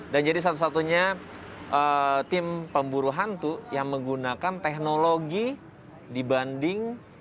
dan jadi satu satunya tim pemburu hantu yang menggunakan teknologi dibanding